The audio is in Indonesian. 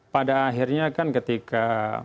pada akhirnya kan ketika